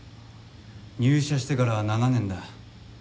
入社してからは７年だ。